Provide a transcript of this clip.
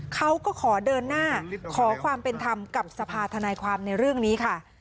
เขาก็ขอเดินหน้าขอความเป็นธรรมกับสภาธนายความในเรื่องนี้ค่ะ